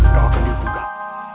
kau akan dihukum